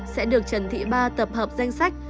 sẽ được trần thị ba tập hợp danh sách